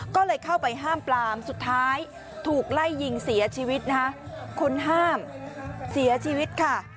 ก็เลยเข้าไปห้ามปลามสุดท้ายถูกไล่ยิงเสียชีวิตนะคะคนห้ามเสียชีวิตค่ะ